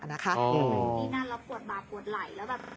พี่นั้นรับปวดบากปวดไหล